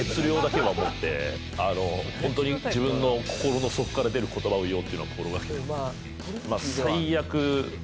ホントに自分の心の底から出る言葉を言おうっていうのは心掛けてます。